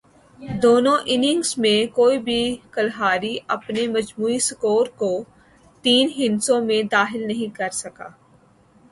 دونوں اننگز میں کوئی بھی کھلاڑی اپنے مجموعی سکور کو تین ہندسوں میں داخل نہیں کر سکا۔